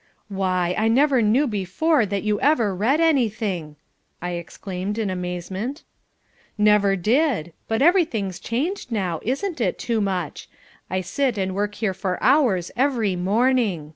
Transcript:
"Why! I never knew before that you ever read anything!" I exclaimed in amazement. "Never did. But everything's changed now, isn't it, Toomuch? I sit and work here for hours every morning.